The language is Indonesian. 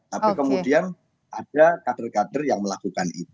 tapi kemudian ada kader kader yang melakukan itu